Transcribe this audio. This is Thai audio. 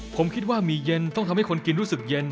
ผมคิดว่ามีเย็นต้องทำให้คนกินรู้สึกเย็น